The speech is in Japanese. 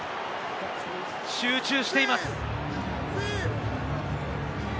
集中しています。